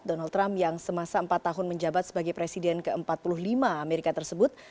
donald trump yang semasa empat tahun menjabat sebagai presiden ke empat puluh lima amerika tersebut